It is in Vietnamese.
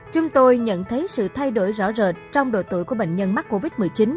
chúng tôi nhận thấy sự thay đổi rõ rệt trong độ tuổi của bệnh nhân mắc covid một mươi chín